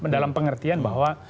dalam pengertian bahwa